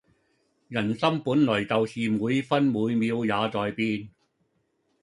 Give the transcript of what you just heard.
人心本來就是每分每秒也在變